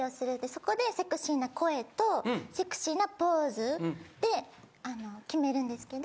そこでセクシーな声とセクシーなポーズで決めるんですけど。